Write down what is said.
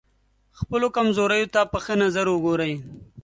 خپلو کمزوریو ته په ښه نظر وګورئ.